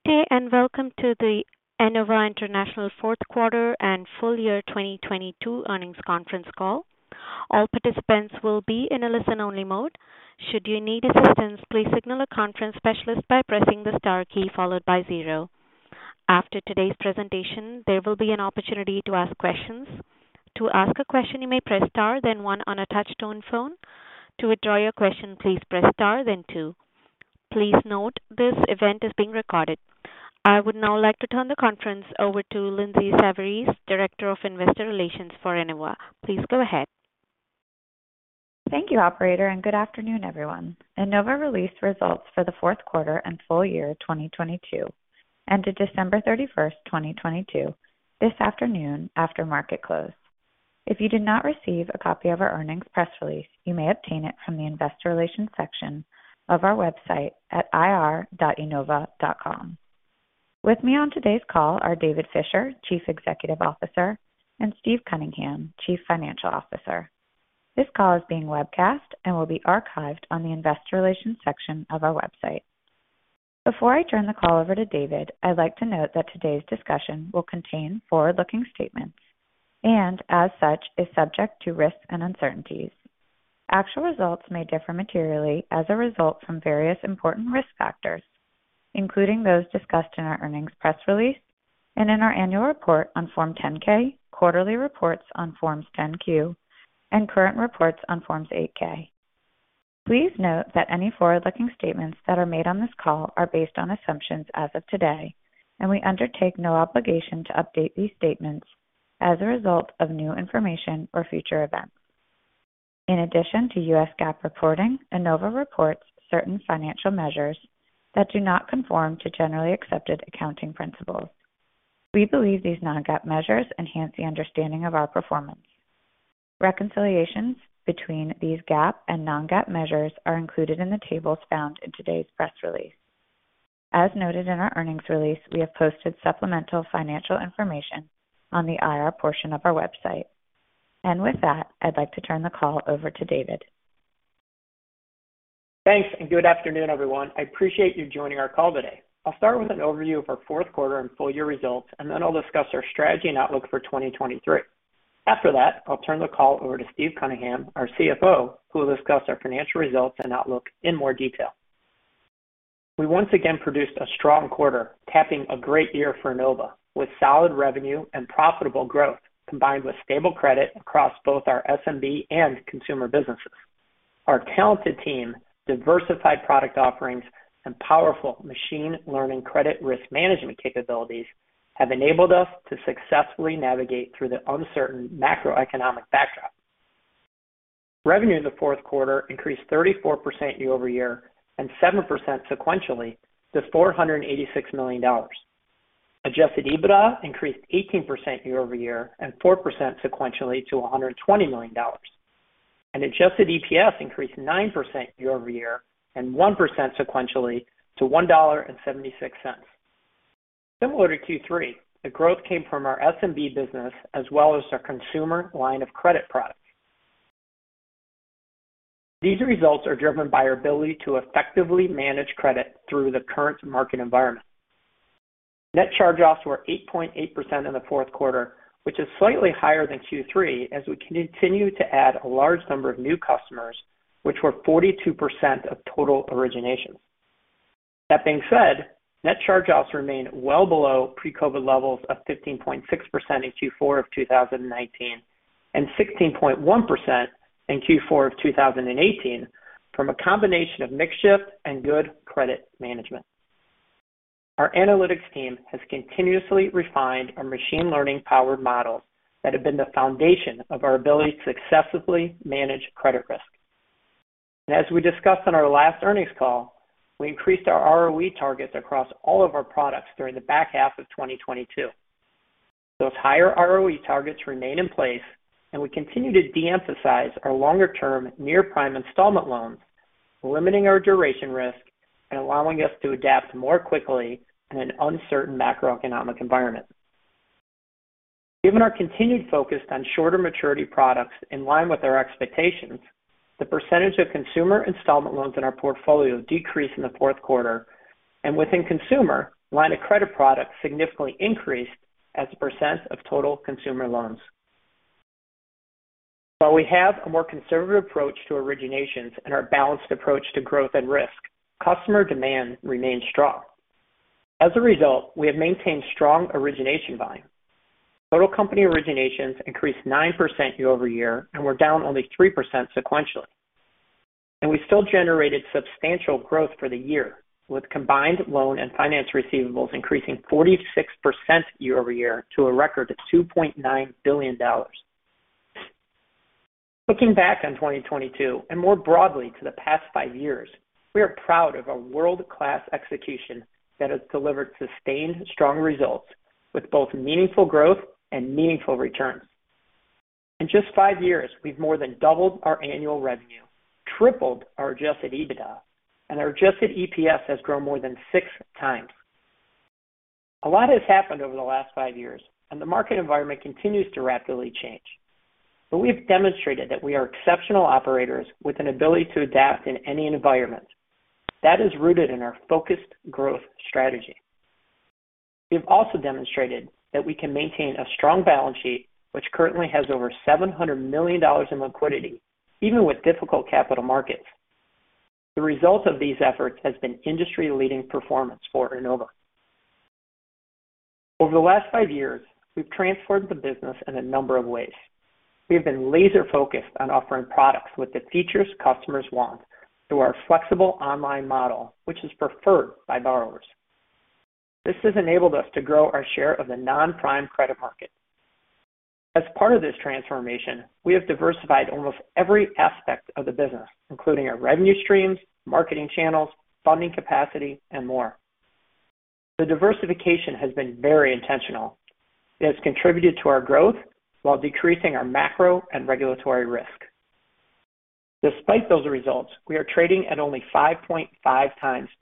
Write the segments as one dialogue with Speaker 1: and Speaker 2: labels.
Speaker 1: Good day, welcome to the Enova International Q4 and Full Year 2022 Earnings Conference Call. All participants will be in a listen-only mode. Should you need assistance, please signal a conference specialist by pressing the Star key followed by 0. After today's presentation, there will be an opportunity to ask questions. To ask a question, you may press Star then one on a touch-tone phone. To withdraw your question, please press Star then two. Please note this event is being recorded. I would now like to turn the conference over to Lindsay Savarese, Director of Investor Relations for Enova. Please go ahead.
Speaker 2: Thank you, operator. Good afternoon, everyone. Enova released results for the Q4 and full year 2022 ended 31 December 2022 this afternoon after market closed. If you did not receive a copy of our earnings press release, you may obtain it from the investor relations section of our website at ir.enova.com. With me on today's call are David Fisher, CEO, and Steve Cunningham, CFO. This call is being webcast and will be archived on the investor relations section of our website. Before I turn the call over to David, I'd like to note that today's discussion will contain forward-looking statements and as such is subject to risks and uncertainties. Actual results may differ materially as a result from various important risk factors, including those discussed in our earnings press release and in our annual report on Form 10-K, quarterly reports on Forms 10-Q, and current reports on Forms 8-K. Please note that any forward-looking statements that are made on this call are based on assumptions as of today, and we undertake no obligation to update these statements as a result of new information or future events. In addition to U.S. GAAP reporting, Enova reports certain financial measures that do not conform to generally accepted accounting principles. We believe these non-GAAP measures enhance the understanding of our performance. Reconciliations between these GAAP and non-GAAP measures are included in the tables found in today's press release. As noted in our earnings release, we have posted supplemental financial information on the IR portion of our website. With that, I'd like to turn the call over to David.
Speaker 3: Thanks, and good afternoon, everyone. I appreciate you joining our call today. I'll start with an overview of our Q4 and full-year results, and then I'll discuss our strategy and outlook for 2023. After that, I'll turn the call over to Steve Cunningham, our CFO, who will discuss our financial results and outlook in more detail. We once again produced a strong quarter, capping a great year for Enova, with solid revenue and profitable growth, combined with stable credit across both our SMB and consumer businesses. Our talented team, diversified product offerings, and powerful machine learning credit risk management capabilities have enabled us to successfully navigate through the uncertain macroeconomic backdrop. Revenue in the Q4 increased 34% YoY and 7% sequentially to $486 million. Adjusted EBITDA increased 18% YoYand 4% sequentially to $120 million. Adjusted EPS increased 9% YoY and 1% sequentially to $1.76. Similar to Q3, the growth came from our SMB business as well as our consumer line of credit products. These results are driven by our ability to effectively manage credit through the current market environment. Net charge-offs were 8.8% in the Q4, which is slightly higher than Q3 as we continue to add a large number of new customers, which were 42% of total originations. That being said, net charge-offs remain well below pre-COVID levels of 15.6% in Q4 of 2019, and 16.1% in Q4 of 2018 from a combination of mix shift and good credit management. Our analytics team has continuously refined our machine learning-powered models that have been the foundation of our ability to successfully manage credit risk. As we discussed on our last earnings call, we increased our ROE targets across all of our products during the back half of 2022. Those higher ROE targets remain in place, and we continue to de-emphasize our longer-term near-prime installment loans, limiting our duration risk and allowing us to adapt more quickly in an uncertain macroeconomic environment. Given our continued focus on shorter maturity products in line with our expectations, the percentage of consumer installment loans in our portfolio decreased in the Q4. Within consumer, line of credit products significantly increased as a % of total consumer loans. While we have a more conservative approach to originations and our balanced approach to growth and risk, customer demand remains strong. As a result, we have maintained strong origination volume. Total company originations increased 9% YoY and were down only 3% sequentially. We still generated substantial growth for the year, with combined loan and finance receivables increasing 46% YoY to a record of $2.9 billion. Looking back on 2022 and more broadly to the past five years, we are proud of our world-class execution that has delivered sustained strong results with both meaningful growth and meaningful returns. In just five years, we've more than doubled our annual revenue, tripled our adjusted EBITDA, and our adjusted EPS has grown more than six times. A lot has happened over the last five years. The market environment continues to rapidly change. We've demonstrated that we are exceptional operators with an ability to adapt in any environment. That is rooted in our focused growth strategy. We've also demonstrated that we can maintain a strong balance sheet, which currently has over $700 million in liquidity, even with difficult capital markets. The result of these efforts has been industry-leading performance for Enova. Over the last five years, we've transformed the business in a number of ways. We have been laser-focused on offering products with the features customers want through our flexible online model, which is preferred by borrowers. This has enabled us to grow our share of the non-prime credit market. As part of this transformation, we have diversified almost every aspect of the business, including our revenue streams, marketing channels, funding capacity, and more. The diversification has been very intentional. It has contributed to our growth while decreasing our macro and regulatory risk. Despite those results, we are trading at only 5.5x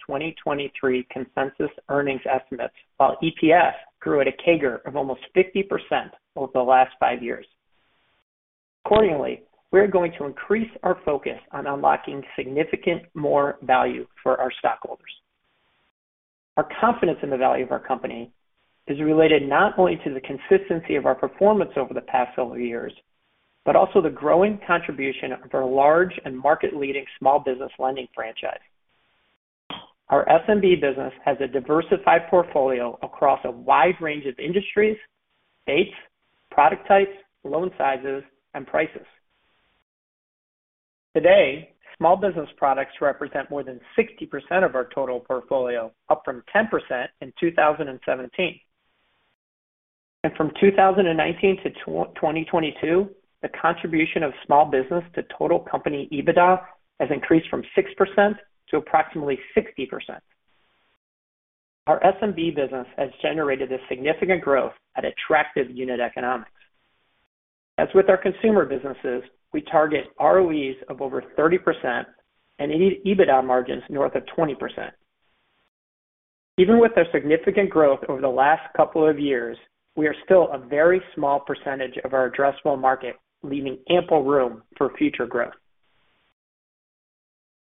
Speaker 3: 2023 consensus earnings estimates, while EPS grew at a CAGR of almost 50% over the last five years. Accordingly, we are going to increase our focus on unlocking significant more value for our stockholders. Our confidence in the value of our company is related not only to the consistency of our performance over the past several years, but also the growing contribution of our large and market-leading small business lending franchise. Our SMB business has a diversified portfolio across a wide range of industries, states, product types, loan sizes, and prices. Today, small business products represent more than 60% of our total portfolio, up from 10% in 2017. From 2019 to 2022, the contribution of small business to total company EBITDA has increased from 6% to approximately 60%. Our SMB business has generated a significant growth at attractive unit economics. As with our consumer businesses, we target ROEs of over 30% and EBITDA margins north of 20%. Even with the significant growth over the last couple of years, we are still a very small percentage of our addressable market, leaving ample room for future growth.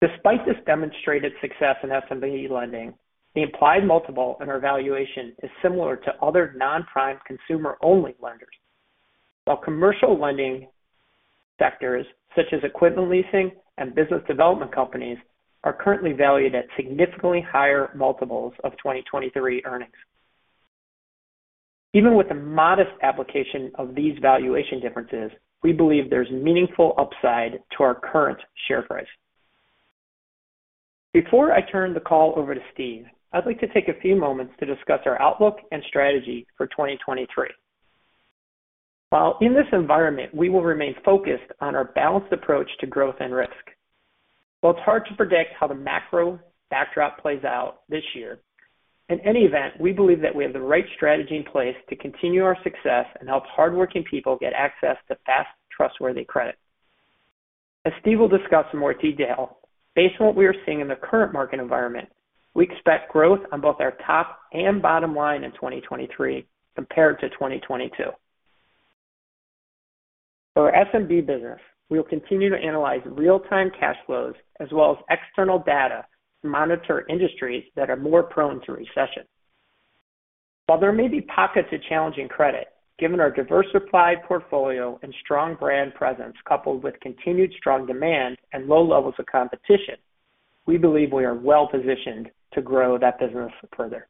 Speaker 3: Despite this demonstrated success in SMB lending, the implied multiple in our valuation is similar to other non-prime consumer-only lenders. While commercial lending sectors, such as equipment leasing and business development companies, are currently valued at significantly higher multiples of 2023 earnings. Even with the modest application of these valuation differences, we believe there's meaningful upside to our current share price. Before I turn the call over to Steve, I'd like to take a few moments to discuss our outlook and strategy for 2023. While in this environment, we will remain focused on our balanced approach to growth and risk. While it's hard to predict how the macro backdrop plays out this year, in any event, we believe that we have the right strategy in place to continue our success and help hardworking people get access to fast, trustworthy credit. As Steve will discuss in more detail, based on what we are seeing in the current market environment, we expect growth on both our top and bottom line in 2023 compared to 2022. For our SMB business, we will continue to analyze real-time cash flows as well as external data to monitor industries that are more prone to recession. While there may be pockets of challenging credit, given our diversified portfolio and strong brand presence, coupled with continued strong demand and low levels of competition, we believe we are well-positioned to grow that business further.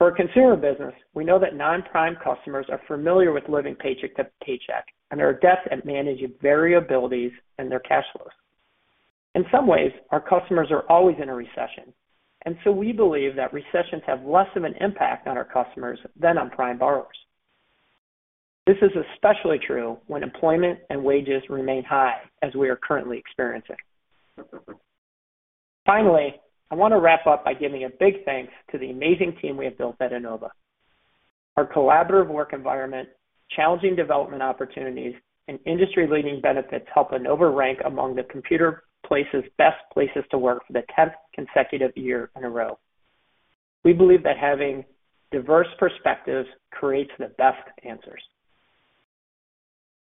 Speaker 3: Our consumer business, we know that non-prime customers are familiar with living paycheck to paycheck and are adept at managing variabilities in their cash flows. In some ways, our customers are always in a recession, we believe that recessions have less of an impact on our customers than on prime borrowers. This is especially true when employment and wages remain high as we are currently experiencing. I want to wrap up by giving a big thanks to the amazing team we have built at Enova. Our collaborative work environment, challenging development opportunities, and industry-leading benefits help Enova rank among the Computerworld's Best Places to Work for the 10th consecutive year in a row. We believe that having diverse perspectives creates the best answers.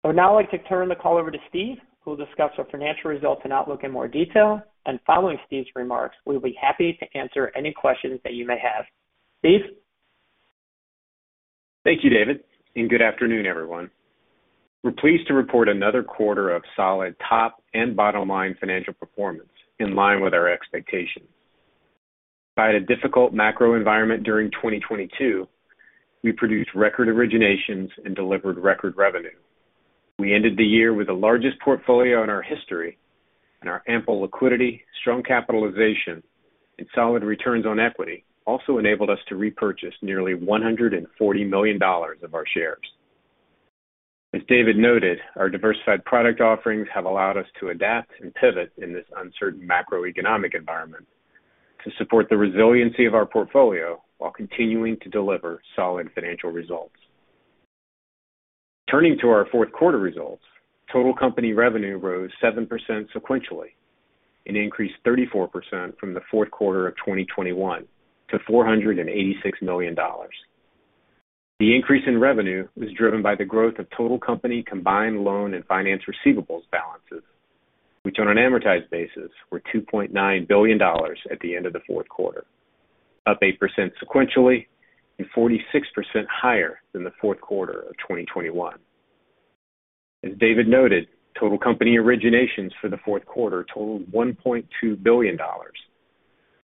Speaker 3: I would now like to turn the call over to Steve, who will discuss our financial results and outlook in more detail. Following Steve's remarks, we'll be happy to answer any questions that you may have. Steve.
Speaker 4: Thank you, David. Good afternoon, everyone. We're pleased to report another quarter of solid top and bottom-line financial performance in line with our expectations. Despite a difficult macro environment during 2022, we produced record originations and delivered record revenue. We ended the year with the largest portfolio in our history and our ample liquidity, strong capitalization, and solid returns on equity also enabled us to repurchase nearly $140 million of our shares. As David noted, our diversified product offerings have allowed us to adapt and pivot in this uncertain macroeconomic environment to support the resiliency of our portfolio while continuing to deliver solid financial results. Turning to our Q4 results, total company revenue rose 7% sequentially, and increased 34% from the Q4 of 2021 to $486 million. The increase in revenue was driven by the growth of total company combined loan and finance receivables balances, which on an amortized basis were $2.9 billion at the end of the Q4, up 8% sequentially and 46% higher than the Q4 of 2021. As David noted, total company originations for the Q4 totaled $1.2 billion,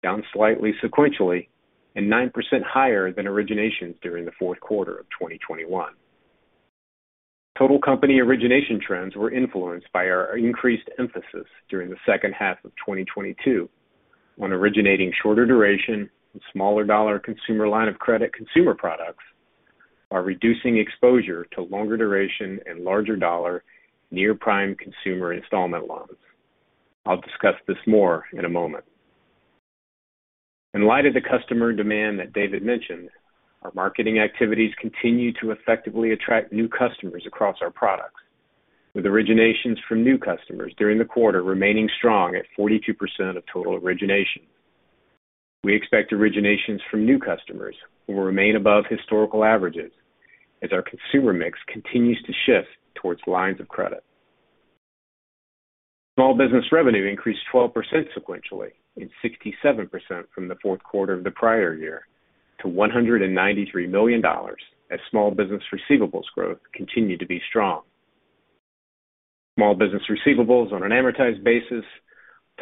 Speaker 4: down slightly sequentially and 9% higher than originations during the Q4 of 2021. Total company origination trends were influenced by our increased emphasis during the second half of 2022 on originating shorter duration and smaller dollar consumer line of credit consumer products while reducing exposure to longer duration and larger dollar near-prime consumer installment loans. I'll discuss this more in a moment. In light of the customer demand that David mentioned, our marketing activities continue to effectively attract new customers across our products. With originations from new customers during the quarter remaining strong at 42% of total origination. We expect originations from new customers will remain above historical averages as our consumer mix continues to shift towards lines of credit. Small business revenue increased 12% sequentially and 67% from the Q4 of the prior year to $193 million as small business receivables growth continued to be strong. Small business receivables on an amortized basis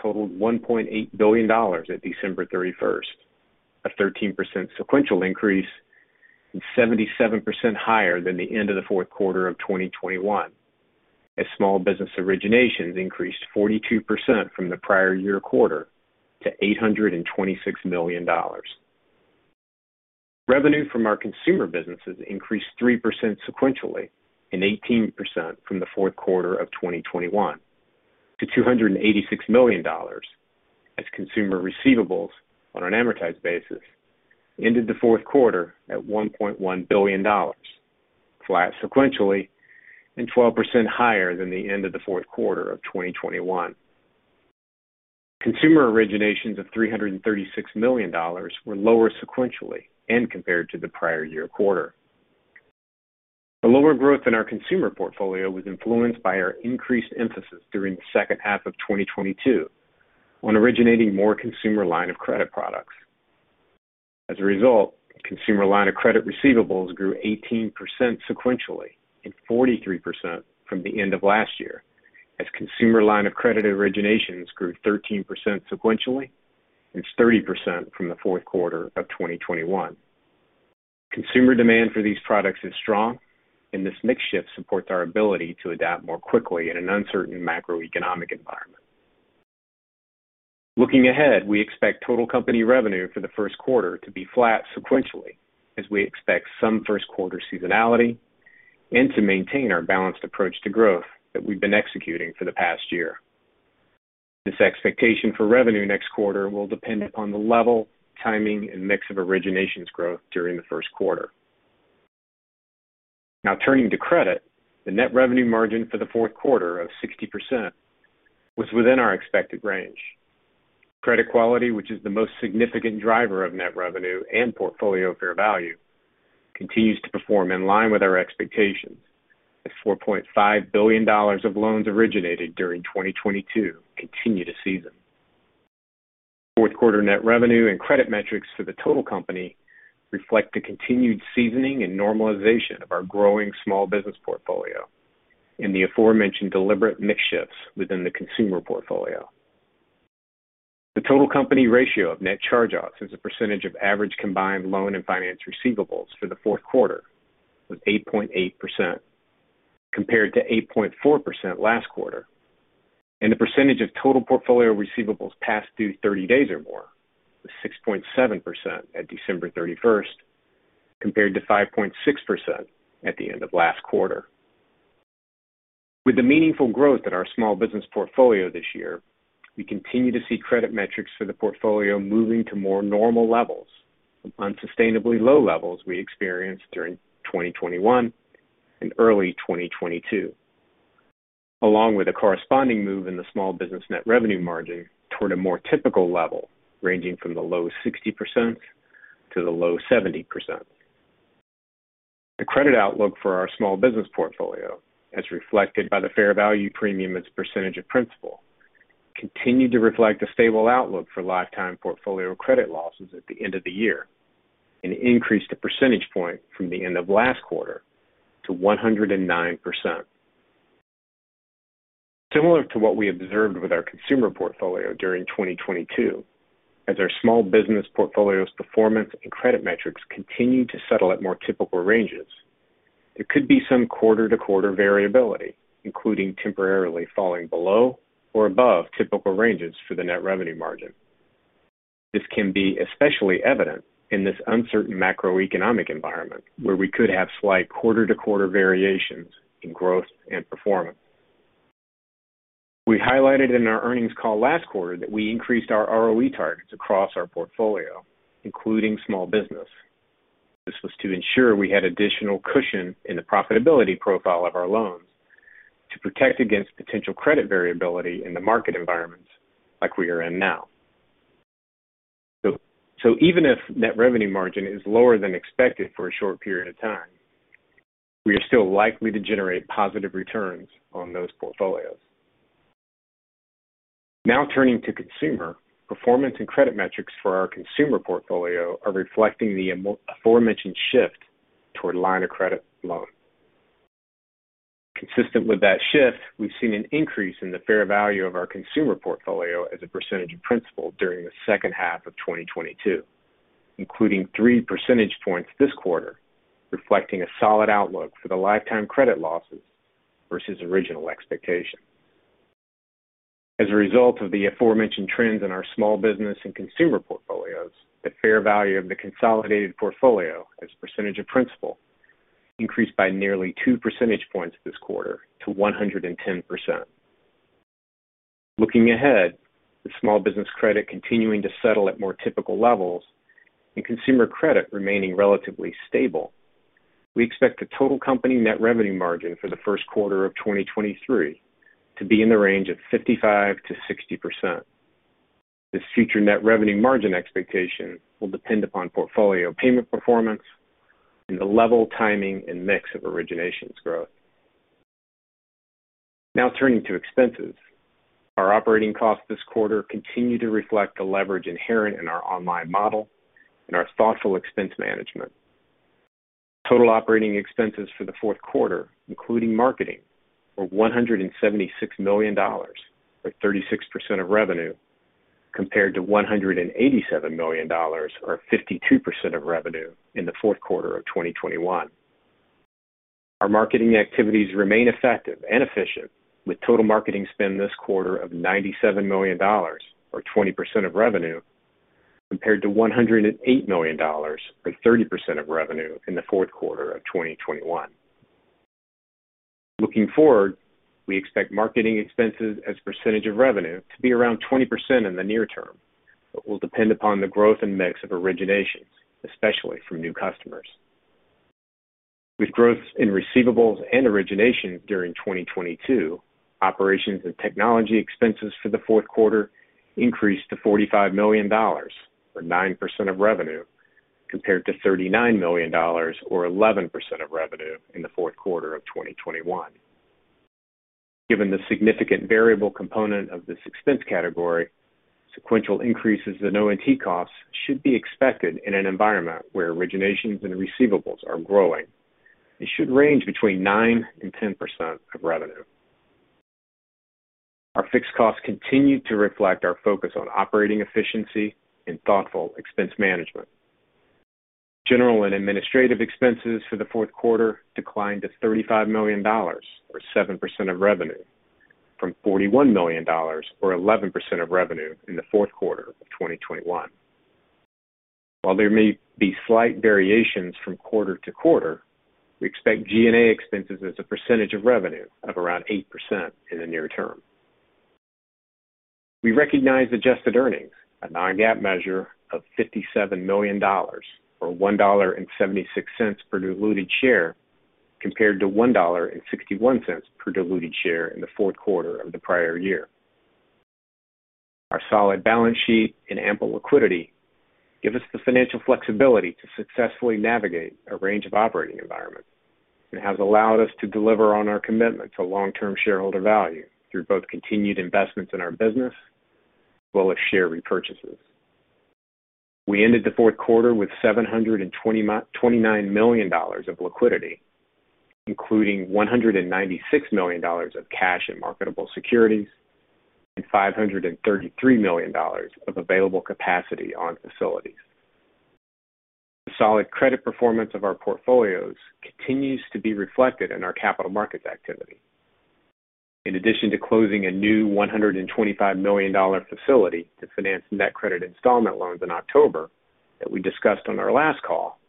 Speaker 4: totaled $1.8 billion at December 31st, a 13% sequential increase and 77% higher than the end of the Q4 of 2021, as small business originations increased 42% from the prior year quarter to $826 million. Revenue from our consumer businesses increased 3% sequentially and 18% from the Q4 of 2021 to $286 million as consumer receivables on an amortized basis ended the Q4 at $1.1 billion, flat sequentially and 12% higher than the end of the Q4 of 2021. Consumer originations of $336 million were lower sequentially and compared to the prior year quarter. The lower growth in our consumer portfolio was influenced by our increased emphasis during the second half of 2022 on originating more consumer line of credit products. As a result, consumer line of credit receivables grew 18% sequentially and 43% from the end of last year as consumer line of credit originations grew 13% sequentially and 30% from the Q4 of 2021. Consumer demand for these products is strong. This mix shift supports our ability to adapt more quickly in an uncertain macroeconomic environment. Looking ahead, we expect total company revenue for the Q1 to be flat sequentially as we expect some Q1 seasonality and to maintain our balanced approach to growth that we've been executing for the past year. This expectation for revenue next quarter will depend upon the level, timing, and mix of originations growth during the Q1. Turning to credit. The net revenue margin for the Q4 of 60% was within our expected range. Credit quality, which is the most significant driver of net revenue and portfolio fair value, continues to perform in line with our expectations as $4.5 billion of loans originated during 2022 continue to season. Q4 net revenue and credit metrics for the total company reflect the continued seasoning and normalization of our growing small business portfolio and the aforementioned deliberate mix shifts within the consumer portfolio. The total company ratio of net charge-offs as a percentage of average combined loan and finance receivables for the Q4 was 8.8% compared to 8.4% last quarter, and the percentage of total portfolio receivables past due 30 days or more was 6.7% at December 31st, compared to 5.6% at the end of last quarter. With the meaningful growth at our small business portfolio this year, we continue to see credit metrics for the portfolio moving to more normal levels from unsustainably low levels we experienced during 2021 and early 2022, along with a corresponding move in the small business net revenue margin toward a more typical level, ranging from the low 60% to the low 70%. The credit outlook for our small business portfolio, as reflected by the fair value premium as a percentage of principal, continued to reflect a stable outlook for lifetime portfolio credit losses at the end of the year and increased a percentage point from the end of last quarter to 109%. Similar to what we observed with our consumer portfolio during 2022, as our small business portfolio's performance and credit metrics continue to settle at more typical ranges, there could be some quarter-to-quarter variability, including temporarily falling below or above typical ranges for the net revenue margin. This can be especially evident in this uncertain macroeconomic environment where we could have slight quarter-to-quarter variations in growth and performance. We highlighted in our earnings call last quarter that we increased our ROE targets across our portfolio, including small business. This was to ensure we had additional cushion in the profitability profile of our loans to protect against potential credit variability in the market environments like we are in now. Even if net revenue margin is lower than expected for a short period of time, we are still likely to generate positive returns on those portfolios. Now turning to consumer. Performance and credit metrics for our consumer portfolio are reflecting the aforementioned shift toward line of credit loan. Consistent with that shift, we've seen an increase in the fair value of our consumer portfolio as a percentage of principal during the second half of 2022, including three percentage points this quarter, reflecting a solid outlook for the lifetime credit losses versus original expectation. As a result of the aforementioned trends in our small business and consumer portfolios, the fair value of the consolidated portfolio as a percentage of principal increased by nearly two percentage points this quarter to 110%. Looking ahead, with small business credit continuing to settle at more typical levels and consumer credit remaining relatively stable, we expect the total company net revenue margin for the Q1 of 2023 to be in the range of 55% to 60%. This future net revenue margin expectation will depend upon portfolio payment performance and the level, timing, and mix of originations growth. Turning to expenses. Our operating costs this quarter continue to reflect the leverage inherent in our online model and our thoughtful expense management. Total operating expenses for the Q4, including marketing, were $176 million, or 36% of revenue, compared to $187 million, or 52% of revenue in the Q4 of 2021. Our marketing activities remain effective and efficient with total marketing spend this quarter of $97 million, or 20% of revenue, compared to $108 million, or 30% of revenue in the Q4 of 2021. Looking forward, we expect marketing expenses as a percentage of revenue to be around 20% in the near term, but will depend upon the growth and mix of originations, especially from new customers. With growth in receivables and originations during 2022, Operations and Technology expenses for the Q4 increased to $45 million, or 9% of revenue, compared to $39 million or 11% of revenue in the Q4 of 2021. Given the significant variable component of this expense category, sequential increases in O&T costs should be expected in an environment where originations and receivables are growing. It should range between 9% and 10% of revenue. Our fixed costs continue to reflect our focus on operating efficiency and thoughtful expense management. General and administrative expenses for the Q4 declined to $35 million, or 7% of revenue, from $41 million or 11% of revenue in the Q4 of 2021. While there may be slight variations from quarter to quarter, we expect G&A expenses as a percentage of revenue of around 8% in the near term. We recognize adjusted earnings, a non-GAAP measure of $57 million, or $1.76 per diluted share, compared to $1.61 per diluted share in the Q4 of the prior year. Our solid balance sheet and ample liquidity give us the financial flexibility to successfully navigate a range of operating environments and has allowed us to deliver on our commitment to long-term shareholder value through both continued investments in our business as well as share repurchases. We ended the Q4 with $729 million of liquidity, including $196 million of cash and marketable securities and $533 million of available capacity on facilities. The solid credit performance of our portfolios continues to be reflected in our capital markets activity. In addition to closing a new $125 million facility to finance NetCredit installment loans in October that we discussed on our last call,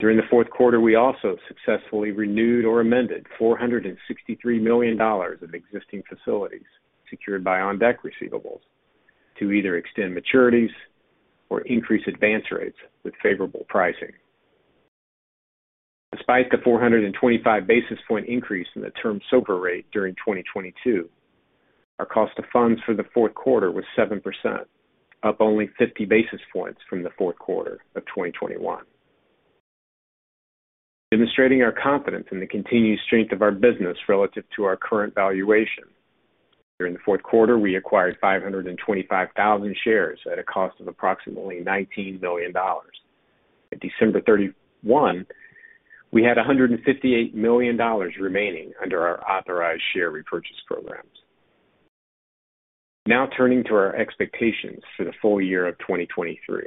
Speaker 4: during the Q4, we also successfully renewed or amended $463 million of existing facilities secured by On Deck receivables to either extend maturities or increase advance rates with favorable pricing. Despite the 425 basis point increase in the term SOFR rate during 2022, our cost of funds for the Q4 was 7%, up only 50 basis points from the Q4 of 2021. Demonstrating our confidence in the continued strength of our business relative to our current valuation, during the Q4, we acquired 525,000 shares at a cost of approximately $19 million. At December 31, we had $158 million remaining under our authorized share repurchase programs. Turning to our expectations for the full year of 2023.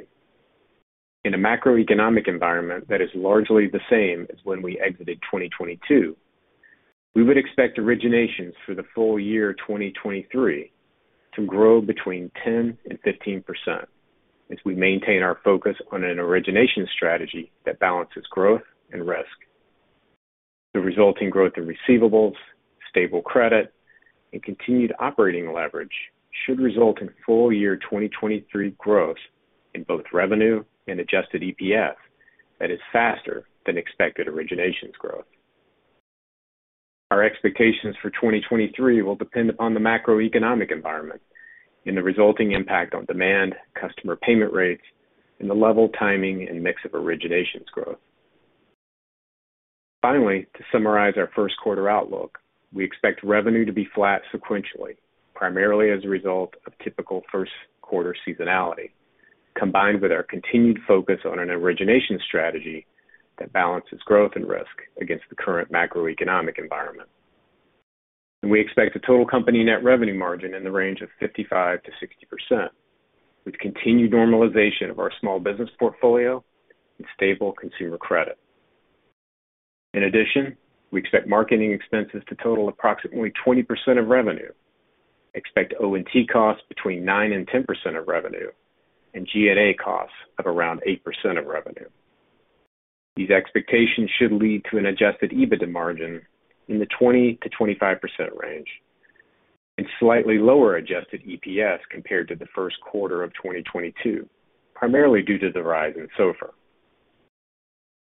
Speaker 4: In a macroeconomic environment that is largely the same as when we exited 2022, we would expect originations for the full year 2023 to grow between 10% and 15% as we maintain our focus on an origination strategy that balances growth and risk. The resulting growth in receivables, stable credit, and continued operating leverage should result in full year 2023 growth in both revenue and adjusted EPS that is faster than expected originations growth. Our expectations for 2023 will depend upon the macroeconomic environment and the resulting impact on demand, customer payment rates, and the level, timing, and mix of originations growth. To summarize our Q1 outlook, we expect revenue to be flat sequentially, primarily as a result of typical Q1 seasonality, combined with our continued focus on an origination strategy that balances growth and risk against the current macroeconomic environment. We expect a total company net revenue margin in the range of 55% to 60%, with continued normalization of our small business portfolio and stable consumer credit. In addition, we expect marketing expenses to total approximately 20% of revenue, expect O&T costs between 9% to 10% of revenue, and G&A costs of around 8% of revenue. These expectations should lead to an adjusted EBITDA margin in the 20% to 25% range and slightly lower adjusted EPS compared to the Q1 of 2022, primarily due to the rise in SOFR.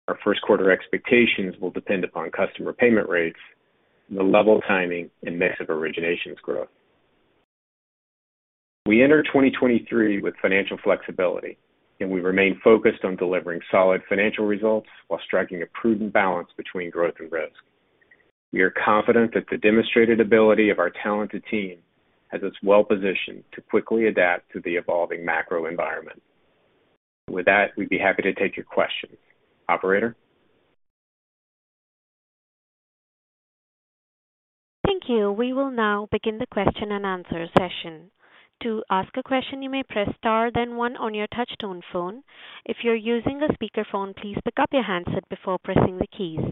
Speaker 4: Our Q1 expectations will depend upon customer payment rates and the level, timing, and mix of originations growth. We enter 2023 with financial flexibility, and we remain focused on delivering solid financial results while striking a prudent balance between growth and risk. We are confident that the demonstrated ability of our talented team has us well-positioned to quickly adapt to the evolving macro environment. With that, we'd be happy to take your questions. Operator?
Speaker 1: Thank you. We will now begin the question and answer session. To ask a question, you may press star then one on your touchtone phone. If you're using a speaker phone, please pick up your handset before pressing the keys.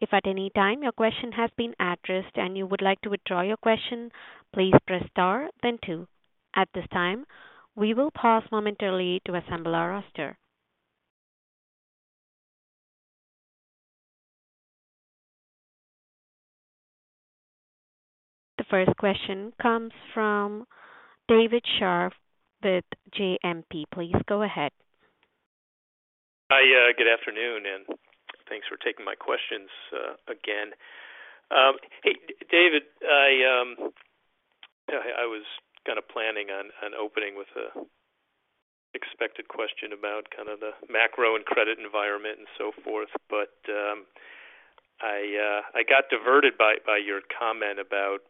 Speaker 1: If at any time your question has been addressed and you would like to withdraw your question, please press star then two. At this time, we will pause momentarily to assemble our roster. The first question comes from David Scharf with JMP. Please go ahead.
Speaker 5: Hi. Good afternoon, thanks for taking my questions again. Hey, David, I was kind of planning on opening with a expected question about kind of the macro and credit environment and so forth. I got diverted by your comment about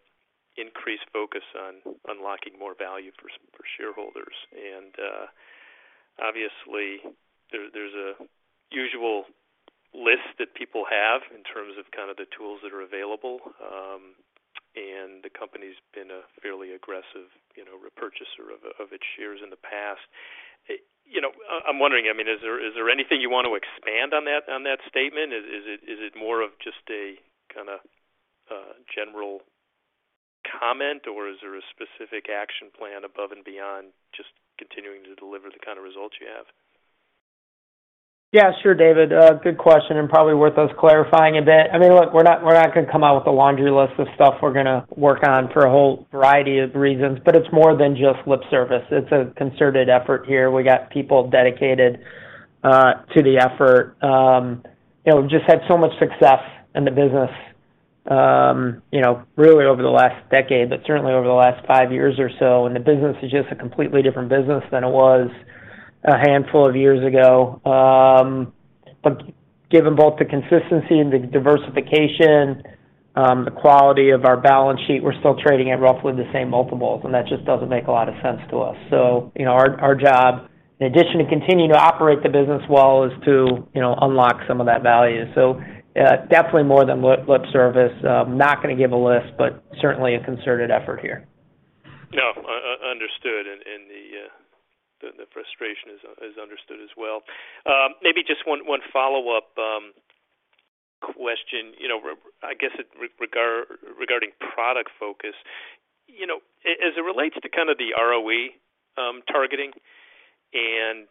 Speaker 5: increased focus on unlocking more value for shareholders. Obviously, there's a usual list that people have in terms of kind of the tools that are available. The company's been a fairly aggressive repurchaser of its shares in the past. I'm wondering, I mean, is there anything you want to expand on that statement? Is it more of just a kinda general comment, or is there a specific action plan above and beyond just continuing to deliver the kind of results you have?
Speaker 3: Yeah, sure, David. Good question, probably worth us clarifying a bit. I mean, look, we're not gonna come out with a laundry list of stuff we're gonna work on for a whole variety of reasons. It's more than just lip service. It's a concerted effort here. We got people dedicated to the effort. Just had so much success in the business, you know, really over the last decade, but certainly over the last five years or so, and the business is just a completely different business than it was a handful of years ago. Given both the consistency and the diversification, the quality of our balance sheet, we're still trading at roughly the same multiples. That just doesn't make a lot of sense to us. Our job, in addition to continuing to operate the business well, is to, you know, unlock some of that value. Definitely more than lip service. Not gonna give a list, but certainly a concerted effort here.
Speaker 5: No, understood. The frustration is understood as well. Maybe just one follow-up question. You know, I guess it regarding product focus. As it relates to kind of the ROE targeting and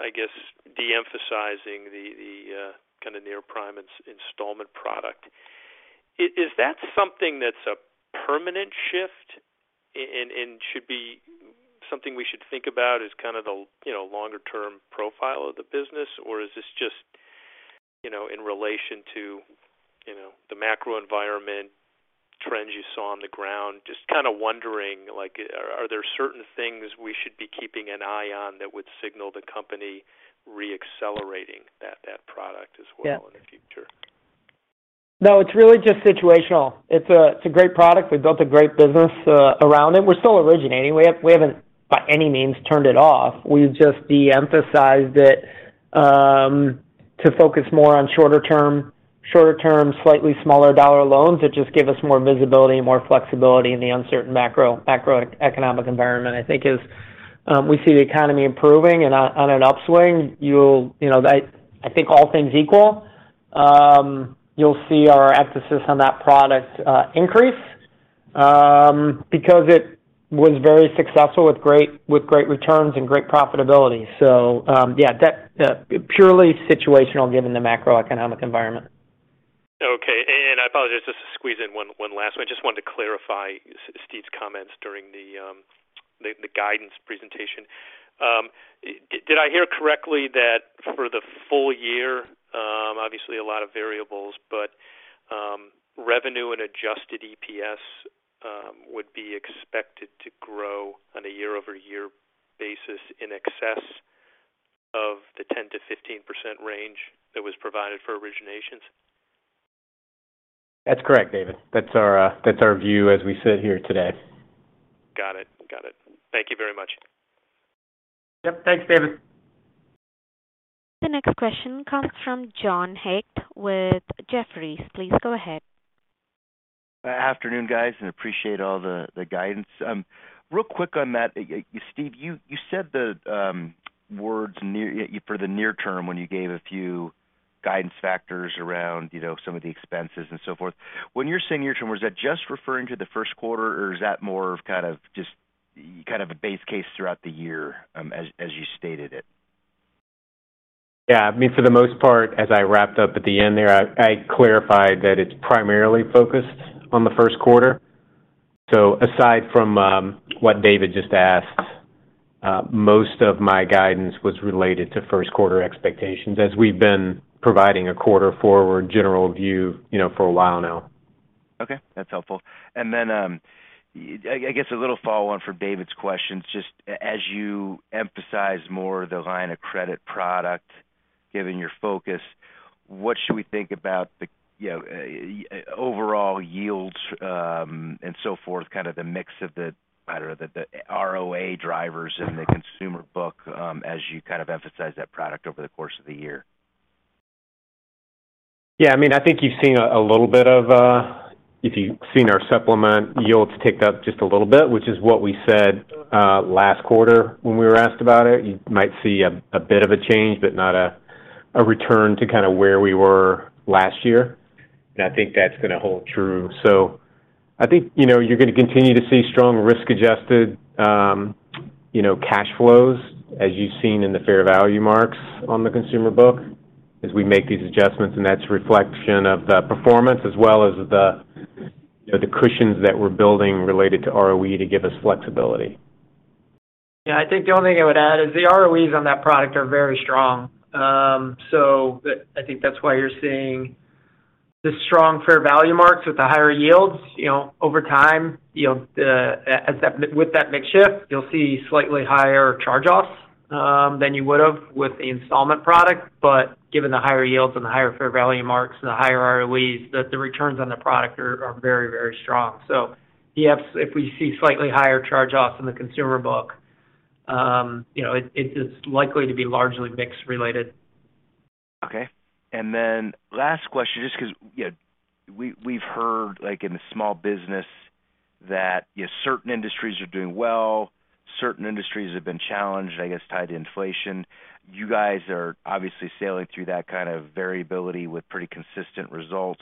Speaker 5: I guess de-emphasizing the kind of near-prime installment product, is that something that's a permanent shift and should be something we should think about as kind of the, you know, longer term profile of the business, or is this just, you know, in relation to, you know, the macro environment trends you saw on the ground? Just kinda wondering, like, are there certain things we should be keeping an eye on that would signal the company re-accelerating that product as well?
Speaker 4: Yeah.
Speaker 5: In the future?
Speaker 4: No, it's really just situational. It's a, it's a great product. We built a great business around it. We're still originating. We haven't by any means turned it off. We've just de-emphasized it to focus more on shorter term, slightly smaller $ loans that just give us more visibility and more flexibility in the uncertain macroeconomic environment. I think as we see the economy improving and on an upswing, I think all things equal, you'll see our emphasis on that product increase.
Speaker 3: Because it was very successful with great returns and great profitability. Yeah, that, purely situational given the macroeconomic environment.
Speaker 5: Okay. I apologize, just to squeeze in one last one. I just wanted to clarify Steve's comments during the guidance presentation. Did I hear correctly that for the full year, obviously a lot of variables, but revenue and adjusted EPS would be expected to grow on a YoY basis in excess of the 10% to 15% range that was provided for originations?
Speaker 4: That's correct, David. That's our, that's our view as we sit here today.
Speaker 5: Got it. Got it. Thank you very much.
Speaker 3: Yep. Thanks, David.
Speaker 1: The next question comes from John Hecht with Jefferies. Please go ahead.
Speaker 6: Afternoon, guys. Appreciate all the guidance. Real quick on that. Steve, you said the words for the near term when you gave a few guidance factors around, you know, some of the expenses and so forth. When you're saying near-term, was that just referring to the Q1, or is that more of just a base case throughout the year as you stated it?
Speaker 4: For the most part, as I wrapped up at the end there, I clarified that it's primarily focused on the Q1. Aside from, what David just asked, most of my guidance was related to Q1 expectations as we've been providing a quarter forward general view, you know, for a while now.
Speaker 6: Okay, that's helpful. I guess a little follow-on for David's questions, just as you emphasize more the line of credit product, given your focus, what should we think about the, you know, overall yields, and so forth, kind of the mix of the, I don't know, the ROA drivers in the consumer book, as you kind of emphasize that product over the course of the year?
Speaker 4: You've seen if you've seen our supplement yields tick up just a little bit, which is what we said last quarter when we were asked about it. You might see a bit of a change, but not a return to kind of where we were last year. I think that's going to hold true. YoU're going to continue to see strong risk-adjusted, cash flows, as you've seen in the fair value marks on the consumer book as we make these adjustments. That's a reflection of the performance as well as the cushions that we're building related to ROE to give us flexibility.
Speaker 3: Yeah. I think the only thing I would add is the ROEs on that product are very strong. I think that's why you're seeing the strong fair value marks with the higher yields. You know, over time, with that mix shift, you'll see slightly higher charge-offs than you would've with the installment product. Given the higher yields and the higher fair value marks and the higher ROEs, the returns on the product are very, very strong. Yes, if we see slightly higher charge-offs in the consumer book, you know, it's likely to be largely mix related.
Speaker 6: Okay. Last question, just 'cause, you know, we've heard, like in the small business that certain industries are doing well, certain industries have been challenged, I guess, tied to inflation. You guys are obviously sailing through that kind of variability with pretty consistent results.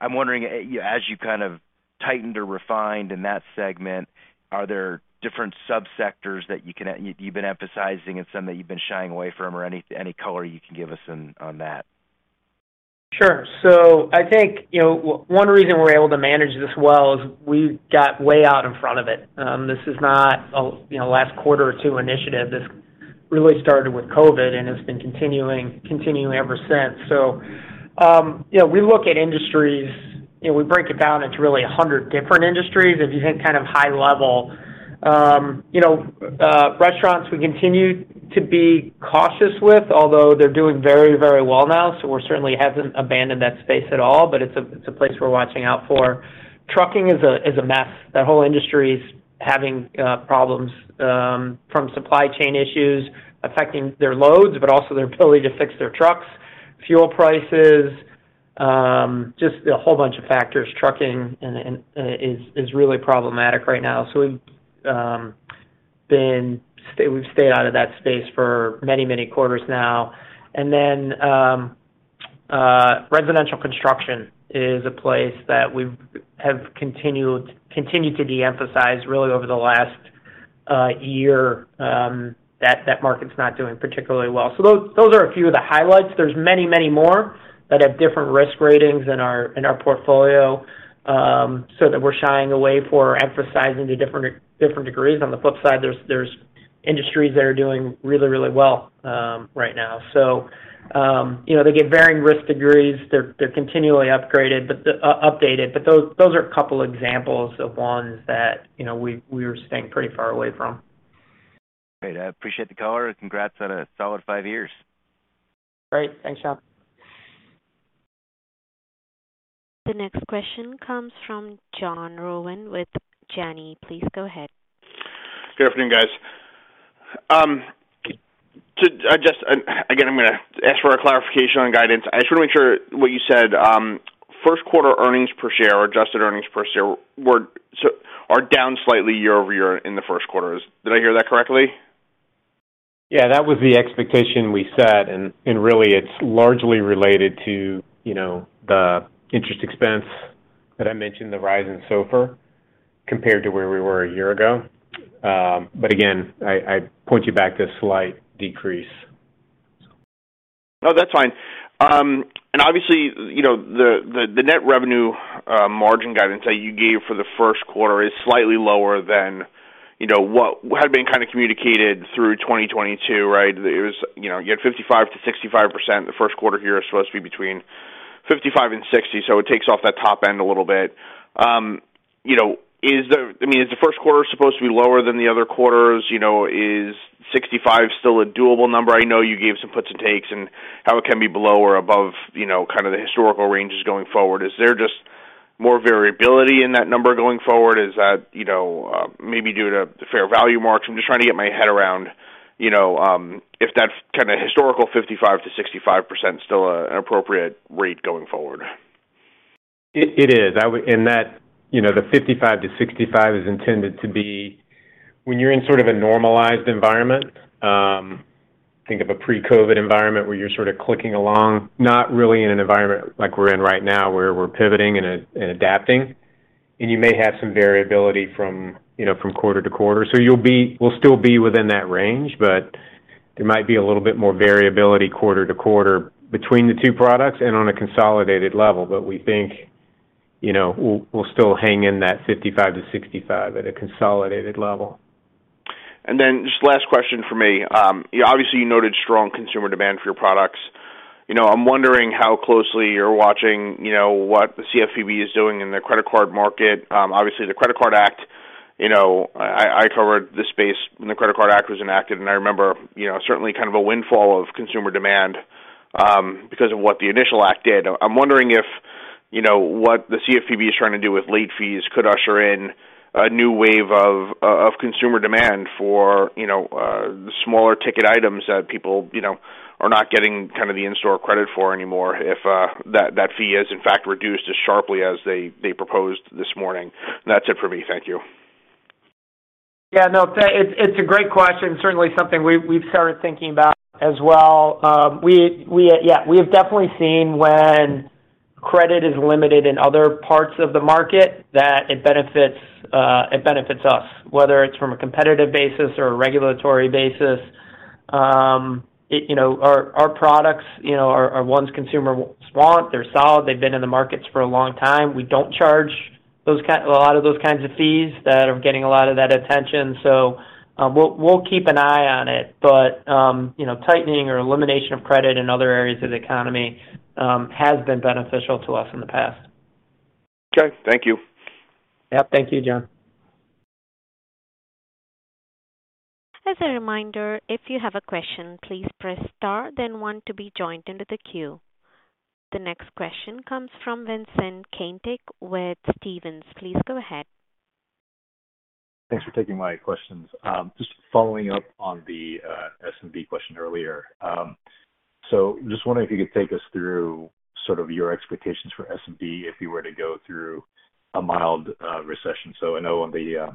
Speaker 6: I'm wondering, as you kind of tightened or refined in that segment, are there different subsectors that you've been emphasizing and some that you've been shying away from or any color you can give us on that?
Speaker 3: Sure. I think, you know, one reason we're able to manage this well is we got way out in front of it. This is not a, you know, last quarter or two initiative. This really started with COVID, and it's been continuing ever since. We look at industries and we break it down into really 100 different industries. If you think kind of high level, you know, restaurants we continue to be cautious with, although they're doing very, very well now, so we certainly haven't abandoned that space at all. It's a place we're watching out for. Trucking is a, is a mess. That whole industry's having problems from supply chain issues affecting their loads, but also their ability to fix their trucks. Fuel prices, just a whole bunch of factors. Trucking is really problematic right now. We've stayed out of that space for many quarters now. Residential construction is a place that we've continued to de-emphasize really over the last year, that market's not doing particularly well. Those are a few of the highlights. There's many more that have different risk ratings in our portfolio, so that we're shying away for emphasizing to different degrees. On the flip side, there's industries that are doing really well right now. They get varying risk degrees. They're continually updated. Those are a couple examples of ones that we are staying pretty far away from.
Speaker 6: Great. I appreciate the color. Congrats on a solid five years.
Speaker 3: Great. Thanks, John.
Speaker 1: The next question comes from John Rowan with Janney. Please go ahead.
Speaker 7: Good afternoon, guys. Just again, I'm gonna ask for a clarification on guidance. I just wanna make sure what you said. Q1 earnings per share or adjusted earnings per share are down slightly YoY in the Q1. Did I hear that correctly?
Speaker 4: Yeah, that was the expectation we set. Really it's largely related to, you know, the interest expense that I mentioned, the rise in SOFR compared to where we were a year ago. Again, I point you back to a slight decrease.
Speaker 7: No, that's fine. Obviously, you know, the net revenue margin guidance that you gave for the Q1 is slightly lower than, you know, what had been kind of communicated through 2022, right? It was, you know, you had 55% to 65%. The Q1 here is supposed to be between 55% and 60%, so it takes off that top end a little bit. I mean, is the Q1 supposed to be lower than the other quarters? You know, is 65% still a doable number? I know you gave some puts and takes and how it can be below or above, you know, kind of the historical ranges going forward. Is there just more variability in that number going forward? Is that, maybe due to the fair value marks? I'm just trying to get my head around, you know, if that kind of historical 55% to 65% is still an appropriate rate going forward.
Speaker 4: It is. In that, you know, the 55% to 65% is intended to be when you're in sort of a normalized environment. Think of a pre-COVID environment where you're sort of clicking along, not really in an environment like we're in right now, where we're pivoting and adapting. You may have some variability from, you know, from quarter to quarter. we'll still be within that range, but there might be a little bit more variability quarter to quarter between the two products and on a consolidated level. We think, we'll still hang in that 55% to 65% at a consolidated level.
Speaker 7: Just last question for me. Obviously, you noted strong consumer demand for your products. I'm wondering how closely you're watching, you know, what the CFPB is doing in the credit card market. Obviously, the Credit Card Act, you know, I covered the space when the Credit Card Act was enacted, and I remember, you know, certainly kind of a windfall of consumer demand because of what the initial act did. I'm wondering if, you know, what the CFPB is trying to do with late fees could usher in a new wave of consumer demand for, you know, the smaller ticket items that people, you know, are not getting kind of the in-store credit for anymore if that fee is in fact reduced as sharply as they proposed this morning. That's it for me. Thank you.
Speaker 3: Yeah, no, it's a great question. Certainly something we've started thinking about as well. Yeah, we have definitely seen when credit is limited in other parts of the market that it benefits, it benefits us, whether it's from a competitive basis or a regulatory basis. you know, our products, you know, are ones consumers want. They're solid. They've been in the markets for a long time. We don't charge a lot of those kinds of fees that are getting a lot of that attention. we'll keep an eye on it. you know, tightening or elimination of credit in other areas of the economy has been beneficial to us in the past.
Speaker 7: Okay. Thank you.
Speaker 3: Yeah. Thank you, John.
Speaker 1: As a reminder, if you have a question, please press Star, then one to be joined into the queue. The next question comes from Vincent Caintic with Stephens. Please go ahead.
Speaker 8: Thanks for taking my questions. Just following up on the SMB question earlier. Just wondering if you could take us through sort of your expectations for SMB if you were to go through a mild recession. I know on the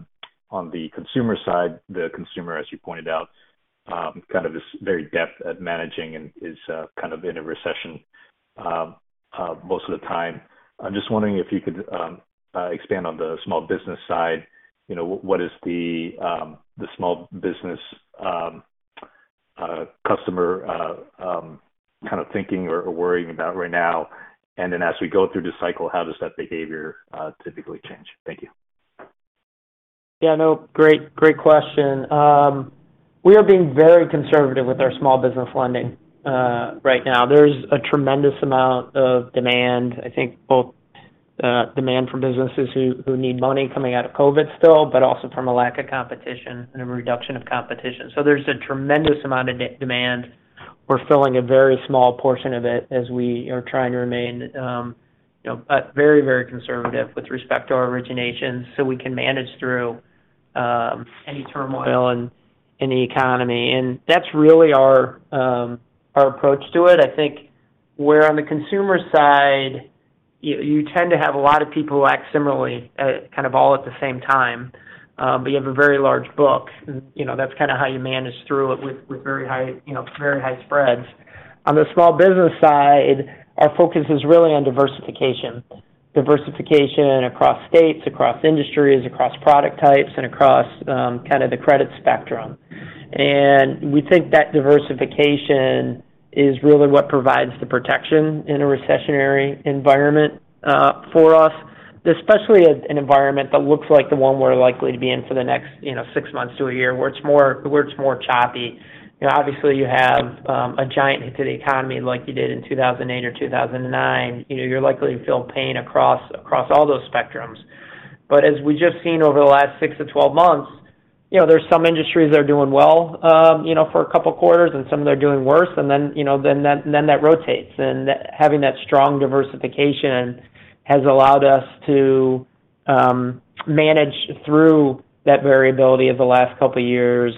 Speaker 8: on the consumer side, the consumer, as you pointed out, kind of is very deft at managing and is kind of in a recession most of the time. I'm just wondering if you could expand on the small business side. You know, what is the the small business customer kind of thinking or worrying about right now? Then as we go through this cycle, how does that behavior typically change? Thank you.
Speaker 3: Yeah, no, great question. We are being very conservative with our small business lending right now. There's a tremendous amount of demand. I think both demand from businesses who need money coming out of COVID still, but also from a lack of competition and a reduction of competition. There's a tremendous amount of demand. We're filling a very small portion of it as we are trying to remain very conservative with respect to our originations, so we can manage through any turmoil in the economy. That's really our approach to it. I think, where on the consumer side, you tend to have a lot of people who act similarly, kind of all at the same time. You have a very large book. You know, that's kinda how you manage through it with very high, you know, very high spreads. On the small business side, our focus is really on diversification. Diversification across states, across industries, across product types, and across kind of the credit spectrum. We think that diversification is really what provides the protection in a recessionary environment for us, especially an environment that looks like the one we're likely to be in for the next, you know, six months to a year, where it's more choppy. You know, obviously, you have a giant hit to the economy like you did in 2008 or 2009. You know, you're likely to feel pain across all those spectrums. As we've just seen over the last six to 12 months, you know, there's some industries that are doing well, you know, for a couple quarters and some that are doing worse. Then, you know, then that rotates. Having that strong diversification has allowed us to manage through that variability of the last couple of years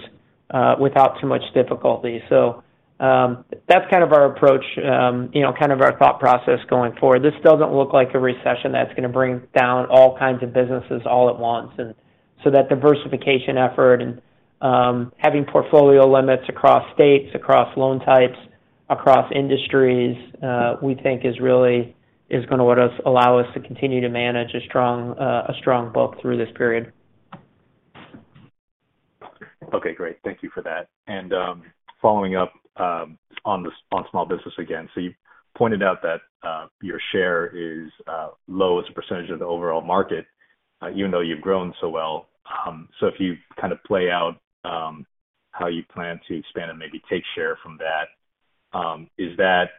Speaker 3: without too much difficulty. So that's kind of our approach, you know, kind of our thought process going forward. This doesn't look like a recession that's gonna bring down all kinds of businesses all at once. So that diversification effort and having portfolio limits across states, across loan types, across industries, we think is really allow us to continue to manage a strong book through this period.
Speaker 8: Okay, great. Thank you for that. Following up on small business again. You pointed out that your share is low as a percentage of the overall market, even though you've grown so well. If you kind of play out how you plan to expand and maybe take share from that, is that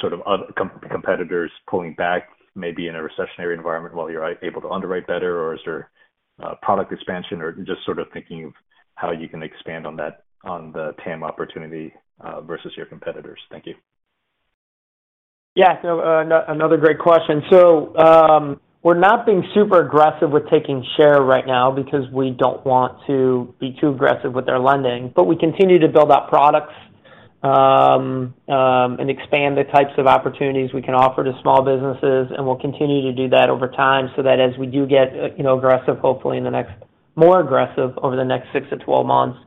Speaker 8: sort of competitors pulling back maybe in a recessionary environment while you're able to underwrite better? Is there product expansion? Just sort of thinking of how you can expand on that, on the TAM opportunity, versus your competitors. Thank you.
Speaker 3: Yeah. No, another great question. We're not being super aggressive with taking share right now because we don't want to be too aggressive with our lending. We continue to build out products and expand the types of opportunities we can offer to small businesses, and we'll continue to do that over time, so that as we do get, you know, more aggressive over the next 6-12 months,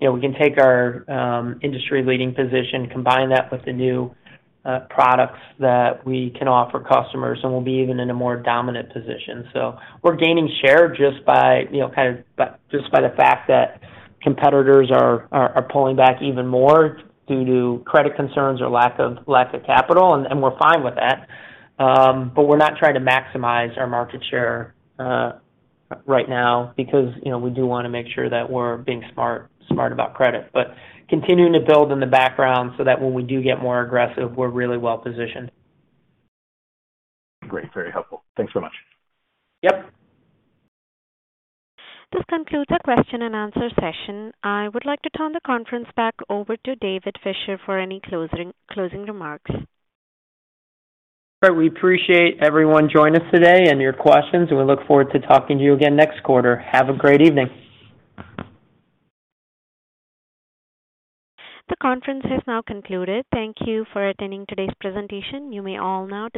Speaker 3: you know, we can take our industry-leading position, combine that with the new products that we can offer customers, and we'll be even in a more dominant position. We're gaining share just by, you know, kind of, by, just by the fact that competitors are pulling back even more due to credit concerns or lack of capital. We're fine with that. We're not trying to maximize our market share, right now because, we do want make sure that we're being smart about credit. Continuing to build in the background so that when we do get more aggressive, we're really well-positioned.
Speaker 8: Great. Very helpful. Thanks so much.
Speaker 3: Yep.
Speaker 1: This concludes our question and answer session. I would like to turn the conference back over to David Fisher for any closing remarks.
Speaker 3: All right. We appreciate everyone joining us today and your questions. We look forward to talking to you again next quarter. Have a great evening.
Speaker 1: The conference has now concluded. Thank you for attending today's presentation. You may all now disconnect.